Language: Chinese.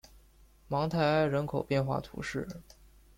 芒泰埃人口变化图示